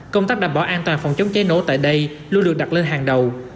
công tác đảm bảo an toàn phòng chống cháy nổ tại đây luôn được đặt lên hàng đầu